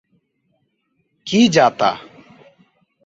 কি যা তা?